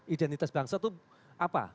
identitas bangsa itu apa